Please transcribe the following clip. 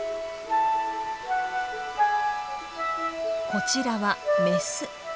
こちらはメス。